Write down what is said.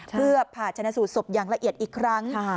เพื่อผ่าชนะสูตรศพอย่างละเอียดอีกครั้ง